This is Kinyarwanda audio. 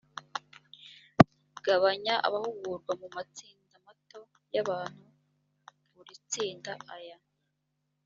gabanya abahugurwa mu matsinda mato y abantu buri tsinda aya